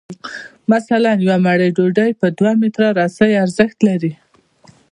مثلاً یوه مړۍ ډوډۍ په دوه متره رسۍ ارزښت لري